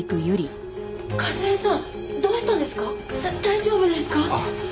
大丈夫ですか？